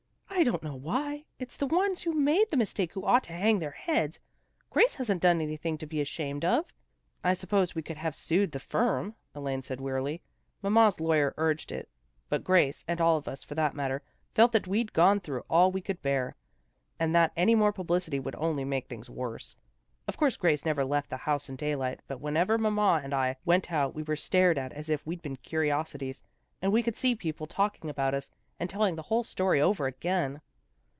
" I don't know why. It's the ones who made the mistake who ought to hang their heads. Grace hasn't done anything to be ashamed of." " I suppose we could have sued the firm," Elaine said wearily. " Mamma's lawyer urged it. But Grace, and all of us, for that matter, felt that we'd gone through all we could bear, and that any more publicity would only make things worse. Of course Grace never left the house in daylight, but whenever mamma and I went out we were stared at as if we'd been curiosities, and we could see people talk ing about us, and telling the whole story over again.